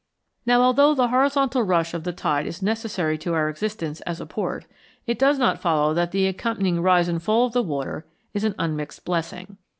Now, although the horizontal rush of the tide is necessary to our existence as a port, it does not follow that the accompanying rise and fall of the water is an unmixed blessing.